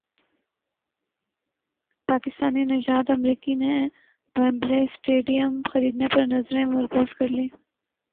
پاکستانی نژاد امریکی نے ویمبلے اسٹیڈیم خریدنے پر نظریں مرکوز کر لیں